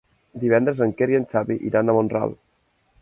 Divendres en Quer i en Xavi iran a Mont-ral.